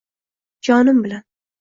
Jonim bilan!